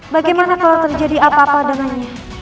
bagaimana kalau terjadi apa apa dengannya